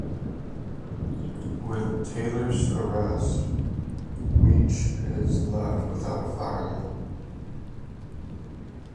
With Taylor's arrest, Weech is left without a fireman.